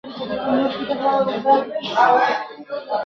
دواړي یو له بله ګراني نازولي ..